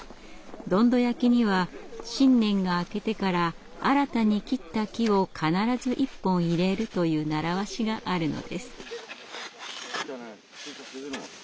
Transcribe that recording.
どんど焼きには新年が明けてから新たに切った木を必ず一本入れるという習わしがあるのです。